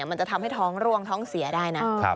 มันจะทำให้ท้องร่วงท้องเสียได้นะ